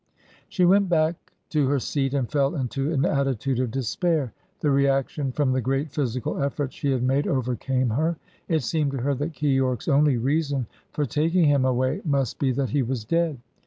She went back to her seat and fell into an attitude of despair. The reaction from the great physical efforts she had made overcame her. It seemed to her that Keyork's only reason for taking him away must be that he was dead.